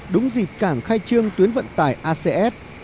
đúng dịp cảng khai trương tuyến vận tải acs